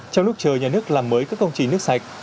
trong lúc chờ nhà nước làm mới các công trình nước sạch